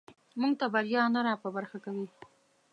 موږ ته بریا نه راپه برخه کوي.